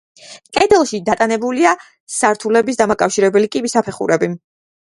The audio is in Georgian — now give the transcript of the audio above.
კედელში დატანებულია სართულების დამაკავშირებელი კიბის საფეხურები.